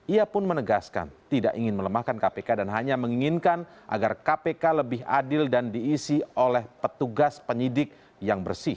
ia pun menegaskan tidak ingin melemahkan kpk dan hanya menginginkan agar kpk lebih adil dan diisi oleh petugas penyidik yang bersih